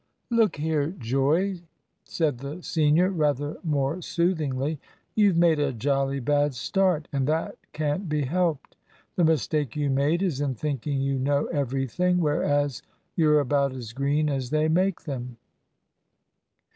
"Look here, Joey," said the senior, rather more soothingly, "you've made a jolly bad start, and that can't be helped. The mistake you made is in thinking you know everything, whereas you're about as green as they make them.